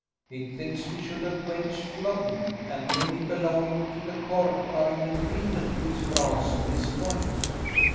"It thinks we should avenge Flodden; and many belonging to the court are in agreement with France on this point."